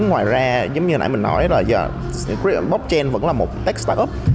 ngoài ra giống như hồi nãy mình nói là blockchain vẫn là một tech startup